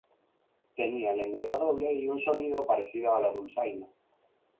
Tenía lengüeta doble y un sonido parecido a la dulzaina.